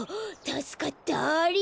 たすかったよ。